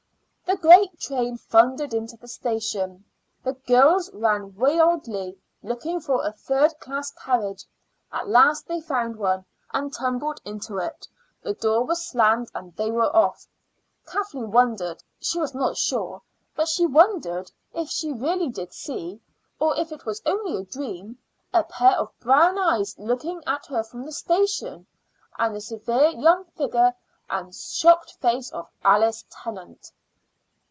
The great train thundered into the station. The girls ran wildly looking for a third class carriage. At last they found one and tumbled into it; the door was slammed, and they were off. Kathleen wondered she was not sure, but she wondered if she really did see, or if it was only a dream, a pair of brown eyes looking at her from the station, and the severe young figure and shocked face of Alice Tennant.